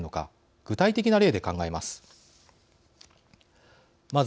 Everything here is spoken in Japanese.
具体的な例で考えます。